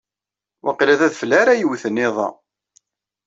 Waqil d adfel ara iwten iḍ-a.